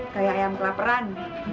kayak yang kelaperan